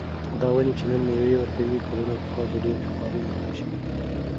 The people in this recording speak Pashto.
دا ونې چې نن مېوه ورکوي، کلونه پخوا په ډېره خواري ایښودل شوې وې.